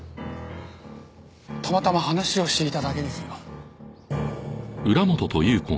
たまたま話をしていただけですよ。